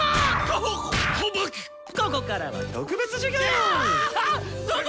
ここからは特別授ギョー！